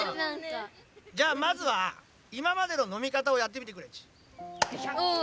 じゃあまずはいままでののみかたをやってみてくれっち。